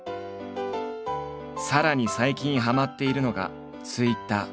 さらに最近はまっているのがＴｗｉｔｔｅｒ。